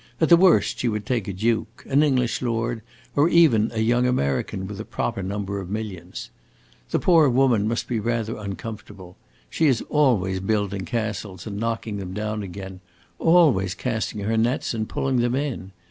At the worst she would take a duke, an English lord, or even a young American with a proper number of millions. The poor woman must be rather uncomfortable. She is always building castles and knocking them down again always casting her nets and pulling them in.